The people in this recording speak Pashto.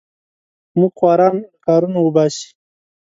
موږ خواران له کارونو وباسې.